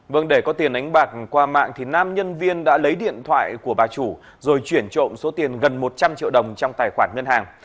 vâng để có tiền đánh bạc qua mạng thì nam nhân viên đã lấy điện thoại của bà chủ rồi chuyển trộm số tiền gần một trăm linh triệu đồng trong tài khoản ngân hàng